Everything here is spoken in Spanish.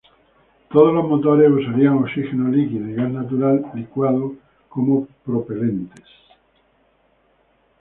Todos los motores usarían oxígeno líquido y gas natural licuado como propelentes.